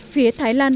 phía thái lan